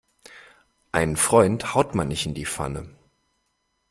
Einen Freund haut man nicht in die Pfanne.